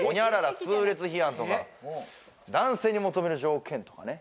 「○○痛烈批判！」とか男性に求める条件とかね